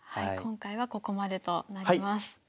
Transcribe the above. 今回はここまでとなります。